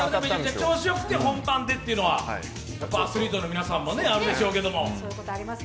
調子よくて本番でっていうのはアスリートの皆さんもあるでしょうけど。